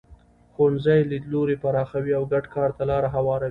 ښوونځي لیدلوري پراخوي او ګډ کار ته لاره هواروي.